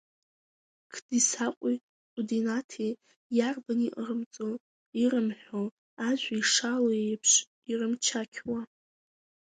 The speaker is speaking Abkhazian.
Қдисаҟәи Ҟәыдинаҭи иарбан иҟарымҵо, ирымҳәо, ажәа ишалоу еиԥш, ирымчақьуа.